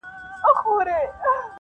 • بس د زرکو به رامات ورته لښکر سو -